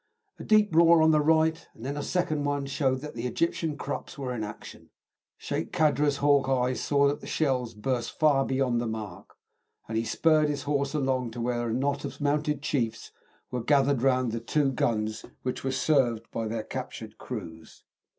A deep roar on the right, and then a second one showed that the Egyptian Krupps were in action. Sheik Kadra's hawk eyes saw that the shells burst far beyond the mark, and he spurred his horse along to where a knot of mounted chiefs were gathered round the two guns, which were served by their captured crews.